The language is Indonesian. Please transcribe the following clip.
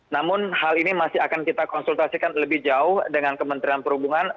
namun hal ini masih akan kita konsultasikan lebih jauh dengan kementerian perhubungan